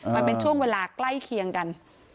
มันเป็นช่วงเวลาใกล้เคียงกัน